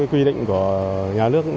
quy định của nhà nước